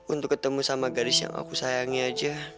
untuk ketemu sama gadis yang aku sayangi aja